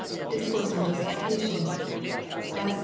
{Discourse on Justification^ s.